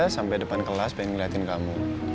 sampai depan kelas pengen ngeliatin kamu